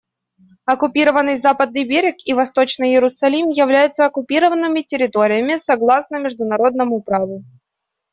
Оккупированный Западный берег и Восточный Иерусалим являются оккупированными территориями, согласно международному праву.